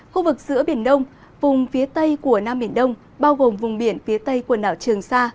khu vực giữa biển đông vùng phía tây của nam biển đông bao gồm vùng biển phía tây quần đảo trường sa